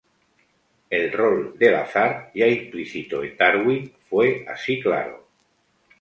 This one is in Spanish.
El rol del azar, ya implícito en Darwin, fue así claro.